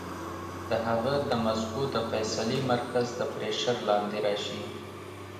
د هغه د مزغو د فېصلې مرکز د پرېشر لاندې راشي